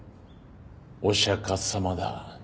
お釈迦様だ。